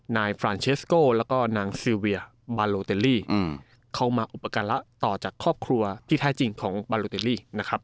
ฟรานเชสโก้แล้วก็นางซีเวียบาโลเตลี่เข้ามาอุปการะต่อจากครอบครัวที่แท้จริงของบาโลเตลี่นะครับ